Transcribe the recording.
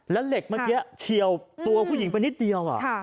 แล้วเหล็กเมื่อกี้เฉียวตัวผู้หญิงไปนิดเดียว